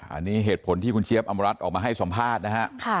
อันนี้เหตุผลที่คุณเจี๊ยบอำรัฐออกมาให้สัมภาษณ์นะฮะ